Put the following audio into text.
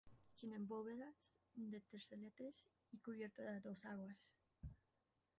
Tiene bóvedas de terceletes y cubierta a dos aguas.